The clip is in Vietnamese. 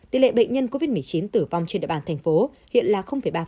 tỷ lệ bệnh nhân covid một mươi chín tử vong trên địa bàn thành phố hiện là ba